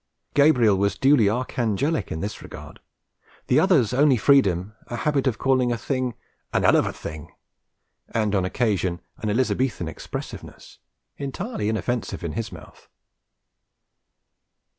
Gabriel was duly archangelic in this regard; the other's only freedom a habit of calling a thing an 'ell of a thing, and on occasion an Elizabethan expressiveness, entirely inoffensive in his mouth.